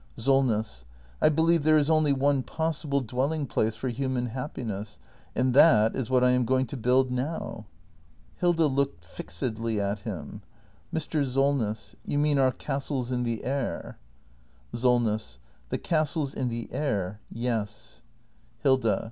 Solness. I believe there is only one possible dwelling place for human happiness — and that is what I am going to build now. Hilda. [Looks fixedly at him.] Mr. Solness — you mean our castles in the air. Solness. The castles in the air — yes. Hilda.